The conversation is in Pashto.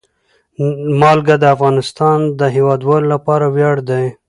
نمک د افغانستان د هیوادوالو لپاره ویاړ دی.